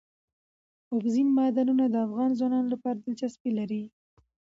اوبزین معدنونه د افغان ځوانانو لپاره دلچسپي لري.